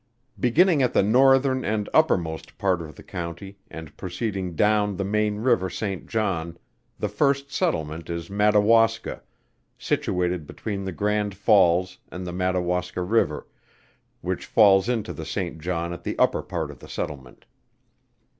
Beginning at the northern and uppermost part of the county, and proceeding down the main river St. John, the first settlement is Madawaska, situated between the Grand Falls and the Madawaska river, which falls into the St. John at the upper part of the settlement.